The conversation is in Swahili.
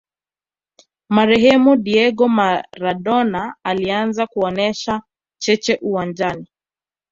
marehemu diego maradona alianza kuonesha cheche uwanjani